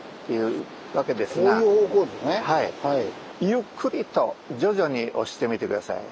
ゆっくりと徐々に押してみて下さい。